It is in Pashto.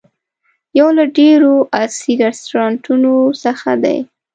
یو له ډېرو عصري رسټورانټونو څخه دی.